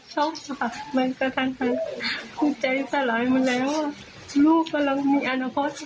ค่ะมันกระทันคงใจสลายมาแล้วลูกกำลังมีอนาคต